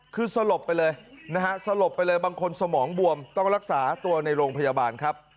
คือสลบไปเลยนะฮะสลบไปเลยบางคนสมองบวมต้องรักษาตัวในโรงพยาบาลครับ